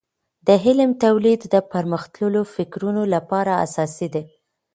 د علم تولید د پرمختللیو فکرونو لپاره اساسي ده.